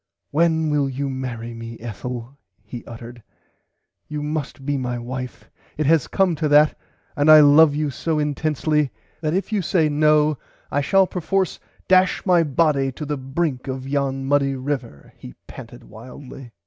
When will you marry me Ethel he uttered you must be my wife it has come to that I love you so intensly that if you say no I shall perforce dash my body to the [Pg 92] brink of yon muddy river he panted wildly.